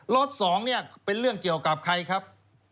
๒เนี่ยเป็นเรื่องเกี่ยวกับใครครับ